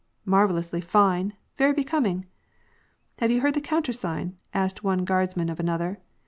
" Marvellously fine ; very becoming !"'' Have you heard the countersign ?" asked one Guardfiman of another.